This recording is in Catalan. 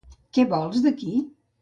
Què vols d'aquí?